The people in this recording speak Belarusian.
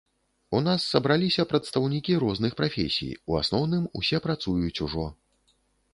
У нас сабраліся прадстаўнікі розных прафесій, у асноўным усе працуюць ужо.